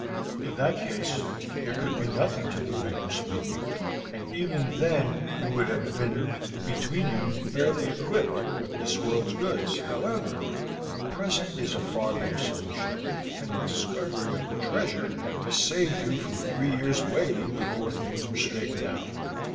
In that case, there could be nothing to prevent your speaking; and even then you would have been between you very fairly equipped with this world's goods. However, the present is a far better solution, and the discovery of the treasure has saved you from three years' waiting before things were straightened out.